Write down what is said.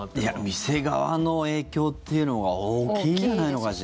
店側の影響っていうのが大きいんじゃないのかしら。